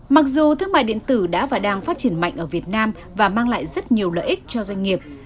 mặc dù thương mại điện tử đã và đang phát triển mạnh ở việt nam và mang lại rất nhiều lợi ích cho doanh nghiệp